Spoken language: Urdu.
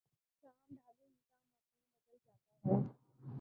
شام ڈھلے ان کا مفہوم بدل جاتا ہے۔